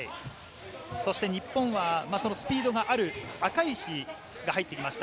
そして日本はスピードがある赤石が入ってきました。